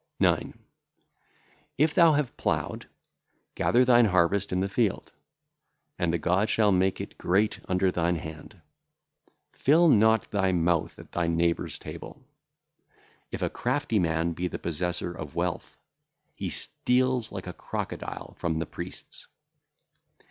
9. If thou have ploughed, gather thine harvest in the field, and the God shall make it great under thine hand. Fill not thy mouth at thy neighbours' table.... If a crafty man be the possessor of wealth, he stealeth like a crocodile from the priests.